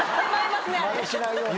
まねしないように。